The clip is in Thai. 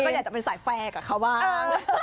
ก็อยากจะเป็นสายแฟร์กับเขาบ้าง